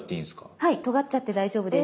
はいとがっちゃって大丈夫です。